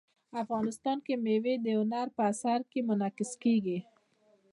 افغانستان کې مېوې د هنر په اثار کې منعکس کېږي.